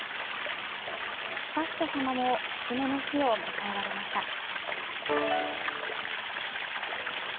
悠仁さまも節目の日を迎えられました。